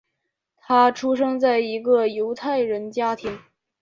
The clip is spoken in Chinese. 他出生在一个犹太人家庭。